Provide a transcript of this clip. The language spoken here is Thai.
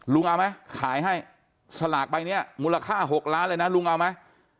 ลุงเอาไหมขายให้สลากใบนี้มูลค่า๖ล้านเลยนะลุงเอาไหม